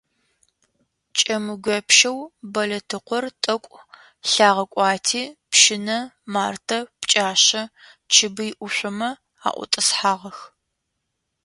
Кӏэмыгуепщэу Болэтыкъор тӏэкӏу лъагъэкӏуати Пщыщэ, Мартэ, Пкӏашъэ, Чыбый ӏушъомэ аӏутӏысхьагъэх.